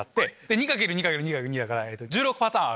２掛ける２掛ける２掛ける２だから１６パターン。